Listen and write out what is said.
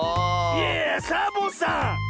いやいやサボさん！